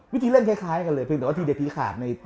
วิธีเล่นคล้ายกันเลยแต่ว่าทีเด็กทีขาด